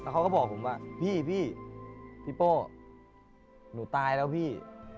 เขาก็บอกผมว่าพี่พี่โป้หนูตายแล้วพี่